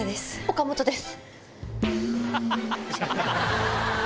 岡本です。